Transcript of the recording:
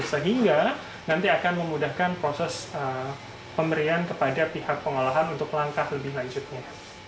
sehingga nanti akan memudahkan proses pemberian kepada pihak pengolahan untuk langkah lebih lanjutnya